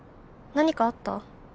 何かあった？